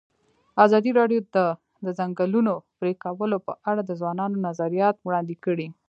ازادي راډیو د د ځنګلونو پرېکول په اړه د ځوانانو نظریات وړاندې کړي.